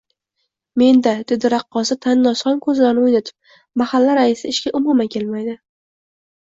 Menda, dedi raqqosa Tannozxon ko`zlarini o`ynatib, mahalla raisi ishga umuman kelmaydi